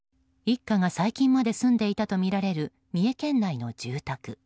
一家が最近まで住んでいたとみられる三重県内の住宅。